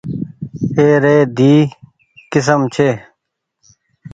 اي ري دئي ڪسم ڇي۔